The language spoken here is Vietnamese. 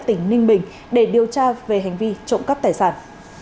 tỉnh ninh bình để điều tra về hành vi trộm cắp tài sản